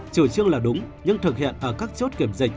chủ trương là đúng nhưng thực hiện ở các chốt kiểm dịch